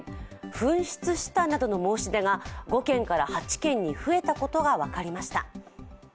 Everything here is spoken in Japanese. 紛失したなどの申し出が５件から８件に増えたことが分かりました。